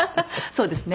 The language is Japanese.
そうですね。